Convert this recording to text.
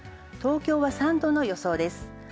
東京は３度の予想です。